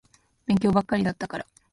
勉強ばっかりだったから。